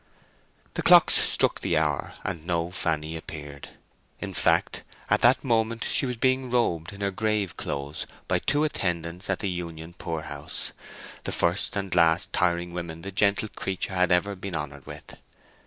The clocks struck the hour, and no Fanny appeared. In fact, at that moment she was being robed in her grave clothes by two attendants at the Union poorhouse—the first and last tiring women the gentle creature had ever been honoured with.